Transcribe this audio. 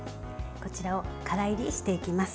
こちらを乾煎りしていきます。